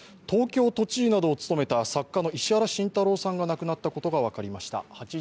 東京都知事などを務めた作家の石原慎太郎さんが亡くなったことが分かりました。